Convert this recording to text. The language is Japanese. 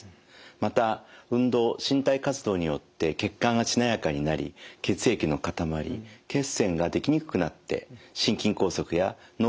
また運動身体活動によって血管がしなやかになり血液の塊血栓が出来にくくなって心筋梗塞や脳梗塞の予防につながります。